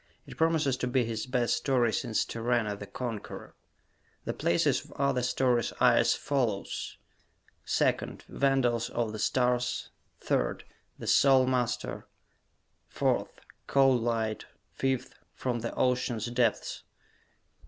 It promises to be his best story since "Tarrano the Conqueror." The places of other stories are as follows: 2. "Vandals of the Stars"; 3. "The Soul Master"; 4. "Cold Light"; 5. "From the Ocean's Depths."